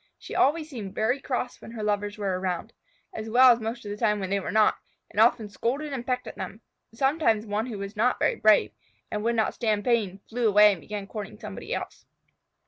She always seemed very cross when her lovers were around (as well as most of the time when they were not), and often scolded and pecked at them. Sometimes one who was not brave, and would not stand pain, flew away and began courting somebody else.